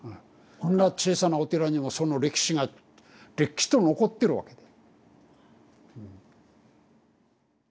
こんな小さなお寺にもその歴史がれっきと残ってるわけだ。